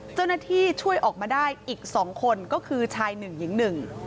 เจ้าหน้าที่ช่วยออกมาได้อีกสองคนก็คือชายหนึ่งหญิงหนึ่ง